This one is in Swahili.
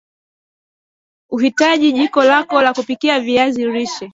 Utahitaji jiko lako la kupikia viazi lishe